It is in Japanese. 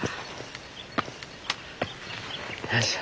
よいしょ。